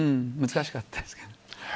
難しかったですけど。